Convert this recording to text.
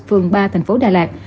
phường ba tp đà lạt